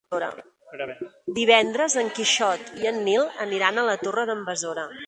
Divendres en Quixot i en Nil aniran a la Torre d'en Besora.